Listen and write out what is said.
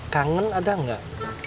kangen ada gak